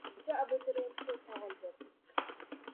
Birinchi abituriyentga savol berildi.